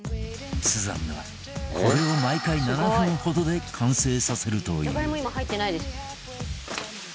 スザンヌはこれを毎回７分ほどで完成させるという